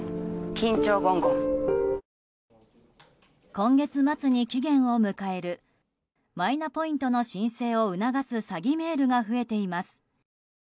今月末に期限を迎えるマイナポイントの申請を促す詐欺メールが増えています。